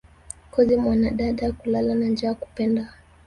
Kozi mwandada, kulala na njaa kupenda